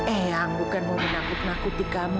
eang bukan mau menakut nakuti kamu